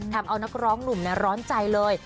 ทำเอานักร้องหนุ่มร้อนใจเลย